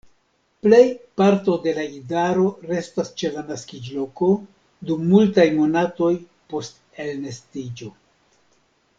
Plej parto de la idaro restas ĉe la naskiĝloko dum multaj monatoj post elnestiĝo.